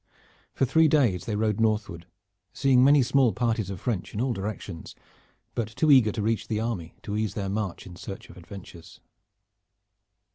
For three days they rode northward, seeing many small parties of French in all directions, but too eager to reach the army to ease their march in the search of adventures.